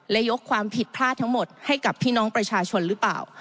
และยกความผิดพลาดทั้งหมดให้กับพี่น้องประชาชนหรือเปล่า